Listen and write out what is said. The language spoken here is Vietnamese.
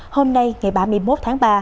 hôm nay ngày ba mươi một tháng ba